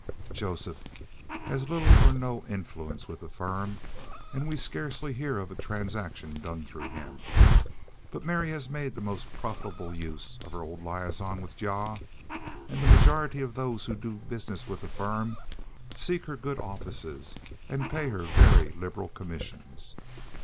Joseph has little or no influence with the firm, and we scarcely hear of a transaction done through him, but Mary has made the most profitable use of her old liaison with Jah, and the majority of those who do business with the firm seek her good offices, and pay her very liberal commissions.